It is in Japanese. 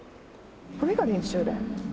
これが練習だよ。